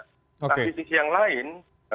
nah di sisi yang lain